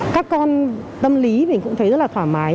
các con tâm lý mình cũng thấy rất là thoải mái